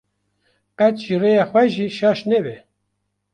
qet ji rêya xwe jî şaş nebe.